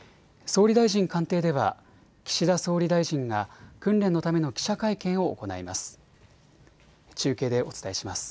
総理大臣官邸では岸田総理大臣が訓練のための記者会見を行います。